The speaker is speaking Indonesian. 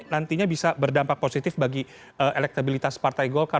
nantinya bisa berdampak positif bagi elektabilitas partai golkar